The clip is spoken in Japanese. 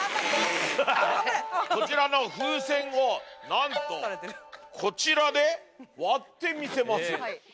こちらの風船をなんとこちらで割ってみせまする。